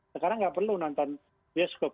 sekarang nggak perlu nonton bioskop